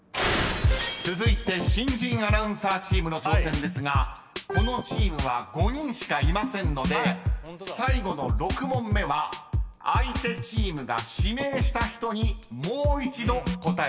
［続いて新人アナウンサーチームの挑戦ですがこのチームは５人しかいませんので最後の６問目は相手チームが指名した人にもう一度答えていただきます］